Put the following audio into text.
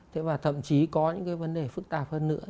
thế và thậm chí có những cái vấn đề phức tạp hơn nữa